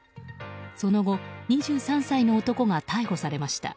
その後、２３歳の男が逮捕されました。